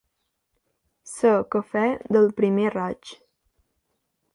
Ser cafè del primer raig.